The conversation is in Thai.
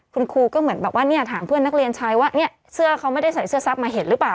คุณครูก็เหมือนแบบว่าเนี่ยถามเพื่อนนักเรียนชายว่าเนี่ยเสื้อเขาไม่ได้ใส่เสื้อซับมาเห็นหรือเปล่า